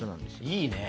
いいね。